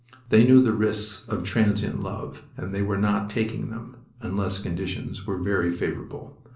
They knew the risks of transient love and they were not taking them unless conditions were very favorable.